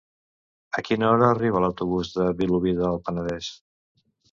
A quina hora arriba l'autobús de Vilobí del Penedès?